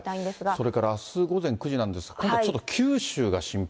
それからあす午前９時なんですが、今度はちょっと九州が心配。